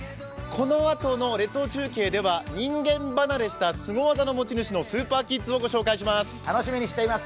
このあとの列島中継では人間離れしたすご技の持ち主のスーパーキッズをご紹介します。